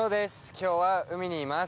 今日は海にいます。